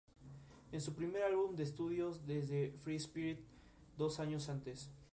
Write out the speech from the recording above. Tiene una cabeza casi cónica, con grandes hojas verdes forman un cono suelto.